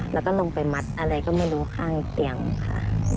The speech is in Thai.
แล้วก็ลงไปมัดอะไรก็ไม่รู้ข้างเตียงค่ะ